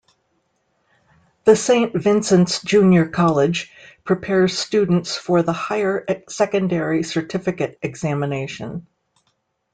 The Saint Vincent's Junior College prepares students for the Higher Secondary Certificate Examination.